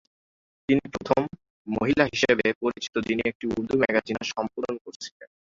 তিনি প্রথম মহিলা হিসাবে পরিচিত যিনি একটি উর্দু ম্যাগাজিন সম্পাদনা করেছিলেন।